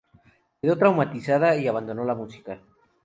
Quedó traumatizada y abandonó la música.